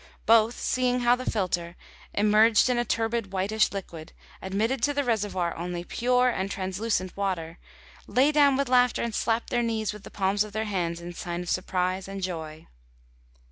Both seeing how the filter, immerged in a turbid, whitish liquid, admitted to the reservoir only pure and translucent water, lay down with laughter and slapped their knees with the palms of their hands in sign of surprise and joy.